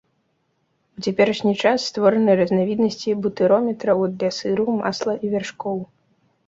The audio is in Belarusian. У цяперашні час створаны разнавіднасці бутырометраў для сыру, масла і вяршкоў.